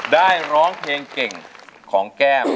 ร้องเพลงเก่งของแก้ม